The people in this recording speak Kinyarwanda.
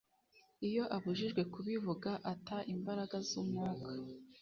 Iyo abujijwe kubivuga ata imbaraga z’Umwuka